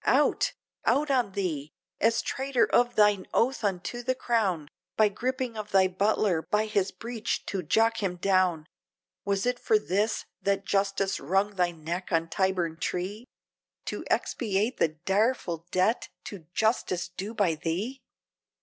Out! out on thee! as traitor of thine oath unto the crown! By gripping of thy butler, by his breech to jock him down, Was it for this! that justice wrung thy neck on Tyburn tree, To expiate the direful debt to justice due by thee?